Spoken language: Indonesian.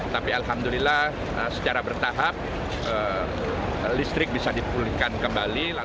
tapi alhamdulillah secara bertahap listrik bisa dipulihkan kembali